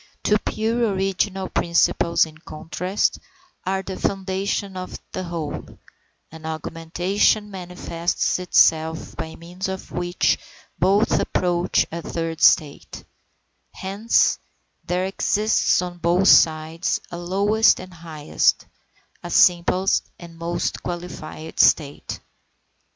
Two pure original principles in contrast, are the foundation of the whole; an augmentation manifests itself by means of which both approach a third state; hence there exists on both sides a lowest and highest, a simplest and most qualified state.